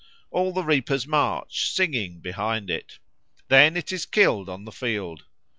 All the reapers march, singing, behind it. Then it is killed on the field.